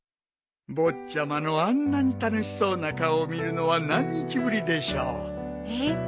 坊ちゃまのあんなに楽しそうな顔を見るのは何日ぶりでしょう。え？